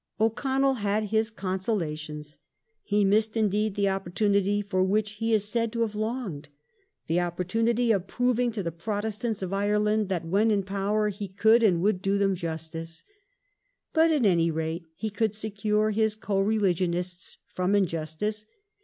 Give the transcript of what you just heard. O'Connell had his consola tions. He missed, indeed, the opportunity for which he is said to have longed — the " opportunity of. proving to the Protestants of Ireland that when in power he could and would do them justice" ; but at any rate he could secure his co religionists from injustice.